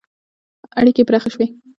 • اړیکې پراخې شوې.